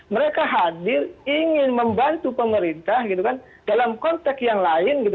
mereka hadir ingin membantu pemerintah dalam konteks yang lain